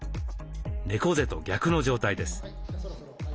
猫背と逆の状態です。